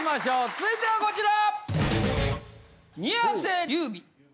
続いてはこちら！